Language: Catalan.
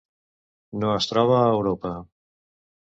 No es troba a Europa.